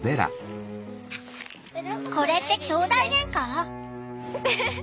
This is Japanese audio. これってきょうだいゲンカ？